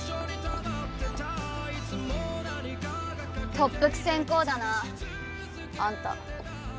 特服先公だなあんた。